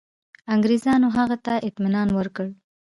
انګرېزانو هغه ته اطمیان ورکړ.